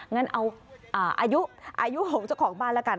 งั้นเอาอายุอายุของเจ้าของบ้านละกัน